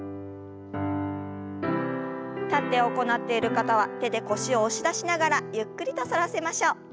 立って行っている方は手で腰を押し出しながらゆっくりと反らせましょう。